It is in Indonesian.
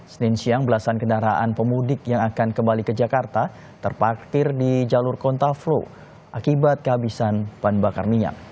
senin siang belasan kendaraan pemudik yang akan kembali ke jakarta terparkir di jalur kontraflow akibat kehabisan bahan bakar minyak